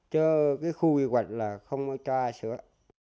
cho cái khu quy hoạch là không cho ai sữa